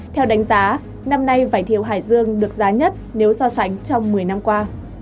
theo đánh giá năm nay vải thiều hải dương được giá nhất nếu so sánh trong một mươi năm qua